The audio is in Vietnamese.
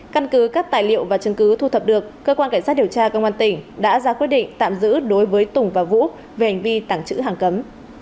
căn cứ các tài liệu và chứng cứ thu thập được cơ quan cảnh sát điều tra công an tỉnh đã ra quyết định tạm giữ đối với tùng và vũ về hành vi tảng chữ hàng cấm